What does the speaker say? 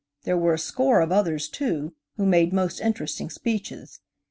There were a score of others, too, who made most interesting speeches.